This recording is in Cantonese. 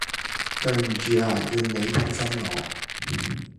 對唔住啊，要你擔心我